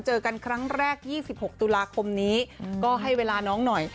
เจอกันครั้งแรก๒๖ตุลาคมนี้ก็ให้เวลาน้องหน่อย